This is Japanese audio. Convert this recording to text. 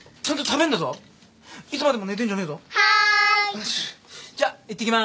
よしじゃいってきます。